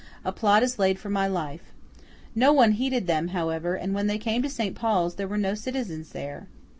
A plot is laid for my life!' No one heeded them, however, and when they came to St. Paul's there were no citizens there.